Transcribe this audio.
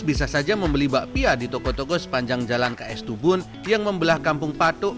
bisa saja membeli bakpia di toko toko sepanjang jalan ks tubun yang membelah kampung patok